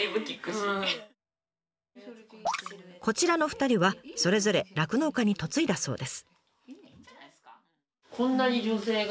こちらの２人はそれぞれ酪農家に嫁いだそうです。